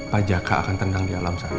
pak jaka akan tenang di alam sana